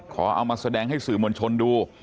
เอามาแสดงให้สื่อมวลชนดู